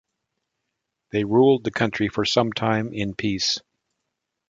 They ruled the country for some time in peace.